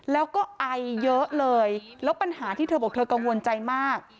แล้วก็ไอเยอะเลยแล้วปัญหาที่เธอบอกเธอกังวลใจมาก